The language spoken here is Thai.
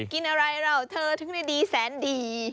กินอะไรเราเธอถึงได้ดีแสนดี